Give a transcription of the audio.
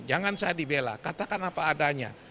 jangan saya dibela katakan apa adanya